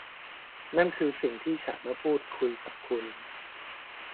นั่นคือสิ่งที่ฉันมาพูดคุยกับคุณ